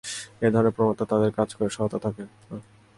এ ধরনের প্রবণতা তাঁদের কাজ করে, সততা থাকে না।